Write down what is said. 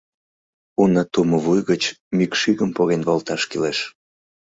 Уна тумо вуй гыч мӱкш игым поген волташ кӱлеш!